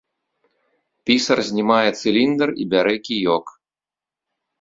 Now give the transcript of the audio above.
Пісар знімае цыліндр і бярэ кіёк.